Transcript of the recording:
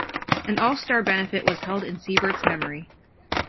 An all-star benefit was held in Siebert's memory.